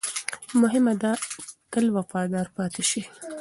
مهمه ده، تل وفادار پاتې شئ.